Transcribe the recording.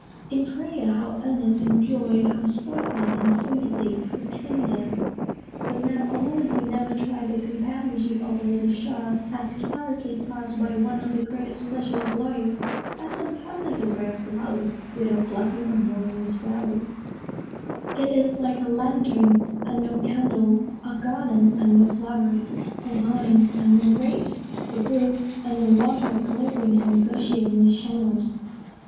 In prayer, how earnest; in joy, how sparkling; in sympathy, how tender! The man or woman who never tried the companionship of a little child has carelessly passed by one of the greatest pleasures of life, as one passes a rare flower without plucking or knowing its value. A home, and no children,—it is like a lantern, and no candle; a garden, and no flowers; a vine, and no grapes; a brook, and no water gurgling and gushing in its channels.